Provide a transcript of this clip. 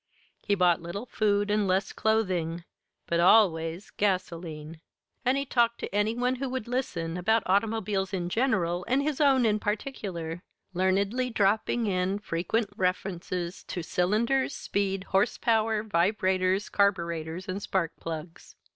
He bought little food and less clothing, but always gasolene. And he talked to any one who would listen about automobiles in general and his own in particular, learnedly dropping in frequent references to cylinders, speed, horse power, vibrators, carburetors, and spark plugs.